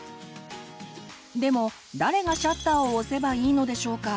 でも誰がシャッターを押せばいいのでしょうか？